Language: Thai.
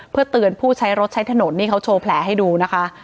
เพื่อเตือนผู้ใช้รถใช้ถนนนี่เขาโชว์แผลให้ดูนะคะ